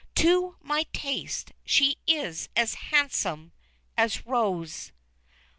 To my taste she is as handsome as Rose."